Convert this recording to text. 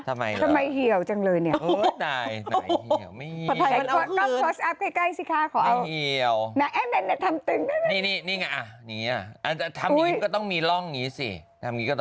ทำไมเหี่ยวจังเลยเนี่ย